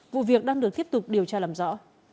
vụ việc đang được tiếp tục điều tra làm rõ